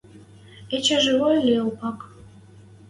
Эче живой ли Опак?» —